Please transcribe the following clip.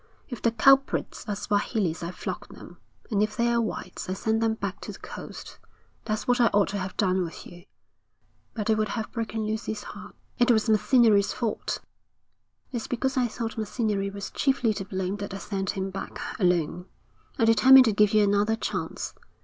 If the culprits are Swahilis I flog them, and if they're whites I send them back to the coast. That's what I ought to have done with you, but it would have broken Lucy's heart.' 'It was Macinnery's fault.' 'It's because I thought Macinnery was chiefly to blame that I sent him back alone. I determined to give you another chance.